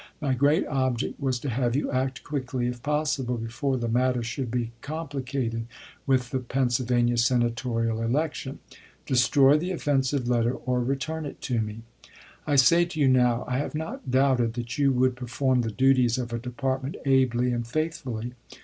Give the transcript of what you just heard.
My great object was to have you act quickly, if possible before the matter should be compli cated with the Penn. Senatorial election. Destroy the offensive letter or return it to me. I say to you now I have not doubted that you would perform the duties of a Department ably and faithfully.